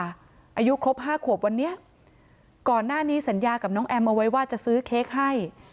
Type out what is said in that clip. อายุครบห้าขวบวันนี้ก่อนหน้านี้สัญญากับน้องแอมเอาไว้ว่าจะซื้อเค้กให้